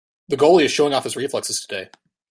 The goalie is showing off his reflexes today.